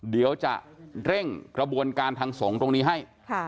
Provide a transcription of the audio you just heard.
เดี๋ยวจะเร่งกระบวนการทางสงฆ์ตรงนี้ให้